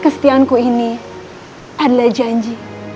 kestianku ini adalah janji